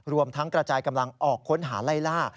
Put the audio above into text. รวมทั้งกระจายกำลังออกค้นหาไล่ล่า